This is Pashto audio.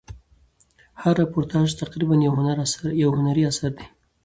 هر راپورتاژ تقریبآ یو هنري اثر دئ.